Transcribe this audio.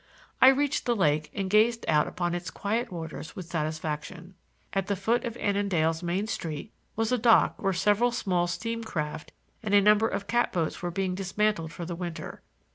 I reached the lake and gazed out upon its quiet waters with satisfaction. At the foot of Annandale's main street was a dock where several small steam craft and a number of catboats were being dismantled for the winter.